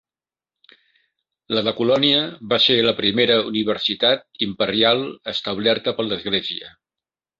La de Colònia va ser la primera universitat imperial establerta per l'Església.